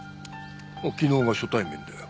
昨日が初対面だよ。